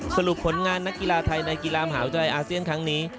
สรุปผลงานนักกีฬาไทยในกีฬามหาวิทยาลัยอาเซียนครั้งนี้